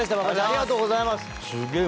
ありがとうございます。